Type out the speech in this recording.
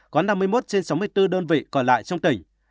có năm mươi một trên sáu mươi bốn đơn vị còn lại trong tỉnh